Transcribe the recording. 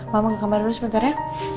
ngomong ke kamar dulu sebentar ya